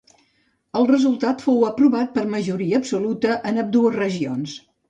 El resultat fou aprovat per majoria absoluta en ambdues regions.